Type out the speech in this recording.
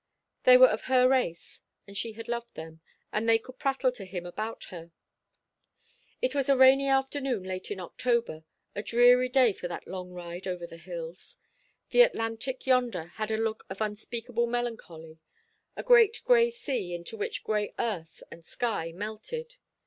They were of her race, and she had loved them, and they could prattle to him about her. It was a rainy afternoon late in October, a dreary day for that long ride over the hills. The Atlantic yonder had a look of unspeakable melancholy; a great gray sea into which gray earth and sky melted.